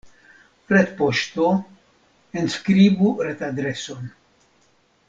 Retpoŝto Enskribu retadreson.